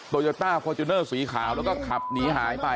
โยต้าฟอร์จูเนอร์สีขาวแล้วก็ขับหนีหายไป